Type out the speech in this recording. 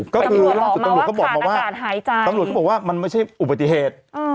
ก็คือตำรวจก็บอกมาว่าตำรวจก็บอกว่ามันไม่ใช่อุปติเทศ